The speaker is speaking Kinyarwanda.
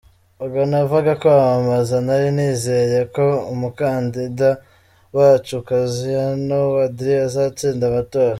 Ubwo navaga kwamamaza, nari nizeye ko umukandida wacu Kassiano Wadri azatsinda amatora.